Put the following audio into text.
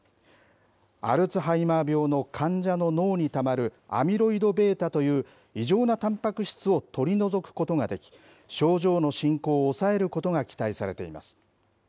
アルツハイマー病の患者の脳にたまるアミロイドβという異常なたんぱく質を取り除くことができ、症状の進行を抑えることが期待されています。